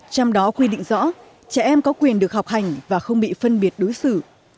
trong đó quy định rõ trẻ em có quyền được học hành và không bị phân biệt đối xử